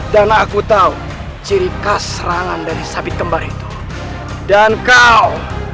dan aku tahu ciri khas serangan dari separtum kembar itu dan kau tidak baik alasan secara moral